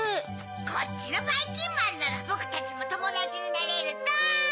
こっちのばいきんまんならぼくたちもともだちになれるゾウ！